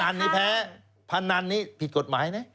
พนันนี่แพ้พนันนี่ผิดกฎหมายเนี่ย